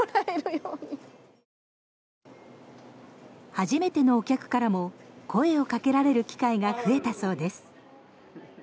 初めてのお客からも声をかけられる機会が増えたそうです。